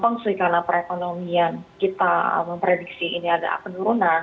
konflik karena perekonomian kita memprediksi ini ada penurunan